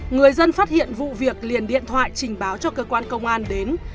người dân phát hiện vụ việc liền điện thoại trình báo cho cơ quan công an đến